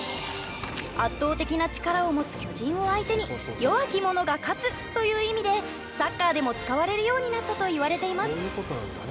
「圧倒的な力を持つ巨人を相手に弱きものが勝つ」という意味でサッカーでも使われるようになったといわれています。